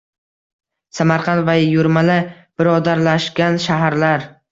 Samarqand va Yurmala – birodarlashgan shaharlarng